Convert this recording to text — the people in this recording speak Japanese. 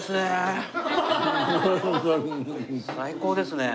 最高ですね。